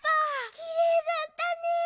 きれいだったね！